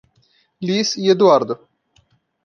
Liz e Eduardo